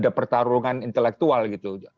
ada pertarungan intelektual gitu